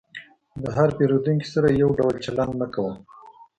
د هر پیرودونکي سره یو ډول چلند مه کوه.